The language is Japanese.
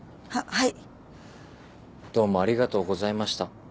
はい。